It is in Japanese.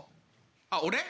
あっ俺？